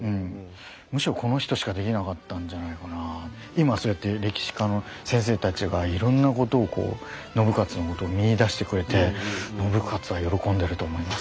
今そうやって歴史家の先生たちがいろんなことをこう信雄のことを見いだしてくれて信雄は喜んでると思います。